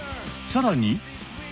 さらに。